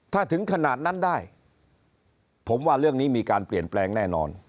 ถ้าถึงขนาดนั้นได้ผมว่าเรื่องนี้มีการเปลี่ยนแปลงแน่นอน